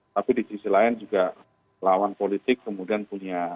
tapi di sisi lain juga lawan politik kemudian punya